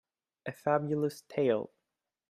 A Fabulous tale.